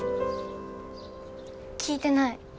聞いてない。